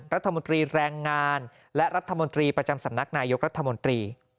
รัฐมนตรีแรงงานและรัฐมนตรีประจำสำนักนายกรัฐมนตรี